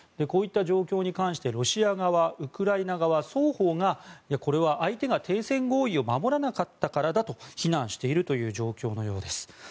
こういった状況に関してロシア側ウクライナ側、双方がこれは相手が停戦合意を守らなかったからだと非難しているという状況のようです。